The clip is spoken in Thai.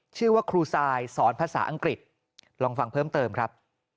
ชื่อว่าครูซายสอนภาษาอังกฤษลองฟังเพิ่มเติมครับ